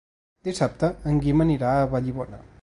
Dissabte en Guim anirà a Vallibona.